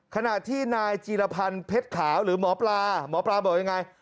ขณะที่นายจีรพันธ์เพชรขาวหรือหมอปลาหมอปลาบอกยังไง